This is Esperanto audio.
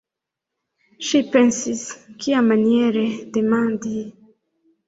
Ŝi pensis: kiamaniere demandi?